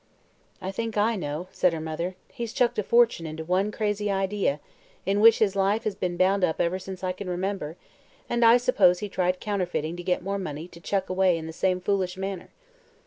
"I think I know," said her mother. "He's chucked a fortune into one crazy idea, in which his life has been bound up ever since I can remember, and I suppose he tried counterfeiting to get more money to chuck away in the same foolish manner."